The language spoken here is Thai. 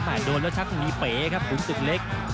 ใหม่โดนแล้วชักมีเป๋ขุนสึกเล็ก